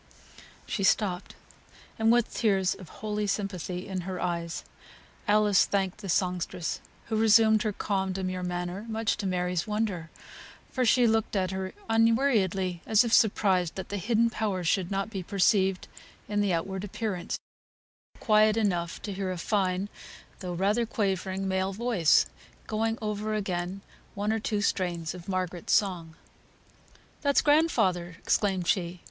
She stopped; and with tears of holy sympathy in her eyes, Alice thanked the songstress, who resumed her calm, demure manner, much to Mary's wonder, for she looked at her unweariedly, as if surprised that the hidden power should not be perceived in the outward appearance. When Alice's little speech of thanks was over, there was quiet enough to hear a fine, though rather quavering, male voice, going over again one or two strains of Margaret's song. "That's grandfather!" exclaimed she.